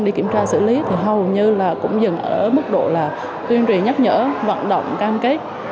đi kiểm tra xử lý thì hầu như là cũng dừng ở mức độ là tuyên truyền nhắc nhở vận động cam kết